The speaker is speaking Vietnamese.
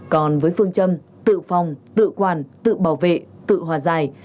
còn với phương châm tự phòng tự quản tự bảo vệ tự hòa giải